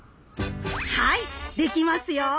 はいできますよ！